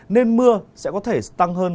nên mưa sẽ có thể tăng hơn